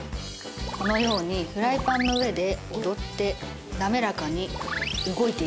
このようにフライパンの上で踊って滑らかに動いていくんです。